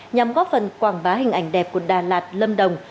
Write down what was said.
nhằm góp phần quảng bá hình ảnh đẹp của đà lạt lâm đồng